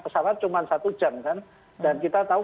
pesawat cuma satu jam kan dan kita tahu